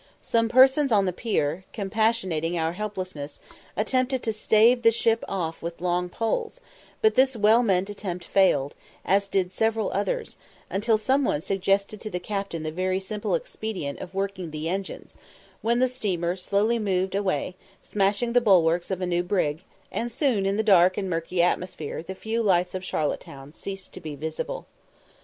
Some persons on the pier, compassionating our helplessness, attempted to stave the ship off with long poles, but this well meant attempt failed, as did several others, until some one suggested to the captain the very simple expedient of working the engines, when the steamer moved slowly away, smashing the bulwarks of a new brig, and soon in the dark and murky atmosphere the few lights of Charlotte Town ceased to be visible.